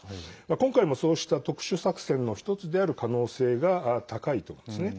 今回も、そうした特殊作戦の１つである可能性が高いということなんですね。